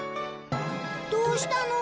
どうしたの？